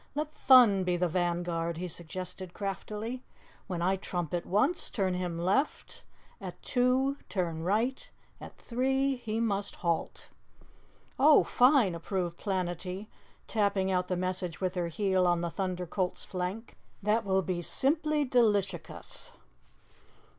"Let Thun be the vanguard," he suggested craftily. "When I trumpet once, turn him left; at two, turn right; at three, he must halt." "Oh, fine," approved Planetty, tapping out the message with her heel on the Thunder Colt's flank. "That will be simply delishicus."